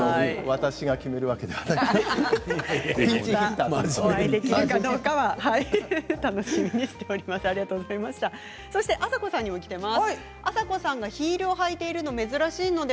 私が決めるわけではないので。